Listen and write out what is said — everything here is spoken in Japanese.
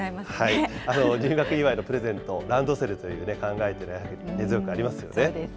入学祝いのプレゼント、ランドセルという考えっていうのは根強くありますよね。